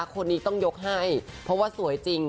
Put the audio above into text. คนนี้ต้องยกให้เพราะว่าสวยจริง